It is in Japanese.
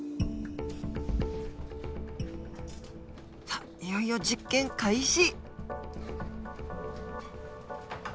さっいよいよ実験開始！